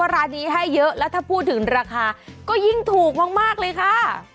ร้านนี้ให้เยอะแล้วถ้าพูดถึงราคาก็ยิ่งถูกมากเลยค่ะ